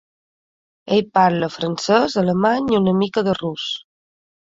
Ell parla francès, alemany i una mica de rus.